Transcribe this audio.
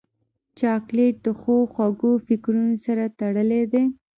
چاکلېټ د ښو خوږو فکرونو سره تړلی دی.